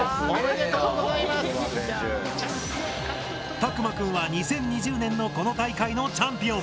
たくまくんは２０２０年のこの大会のチャンピオン！